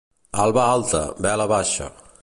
Alba alta, vela baixa.